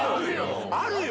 あるよ！